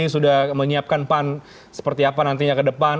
sudah menyiapkan pan seperti apa nantinya ke depan